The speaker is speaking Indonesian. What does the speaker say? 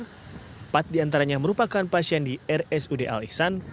empat diantaranya merupakan pasien di rsud al ihsan